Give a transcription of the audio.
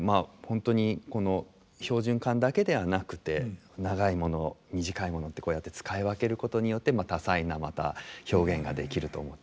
本当にこの標準管だけではなくて長いもの短いものってこうやって使い分けることによって多彩なまた表現ができると思ってます。